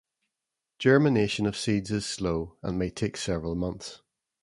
Germination of seeds is slow and may take several months.